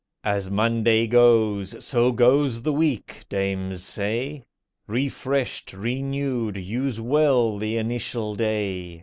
"As Monday goes, so goes the week," dames say. Refreshed, renewed, use well the initial day.